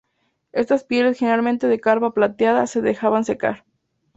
Estas pieles, generalmente de carpa plateada, se dejaban secar.